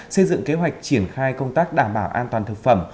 xây dựng kế hoạch triển khai công tác đảm bảo an toàn thực phẩm